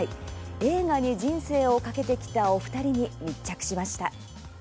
映画に人生を懸けてきたお二人に密着しました。